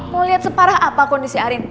mau lihat separah apa kondisi arin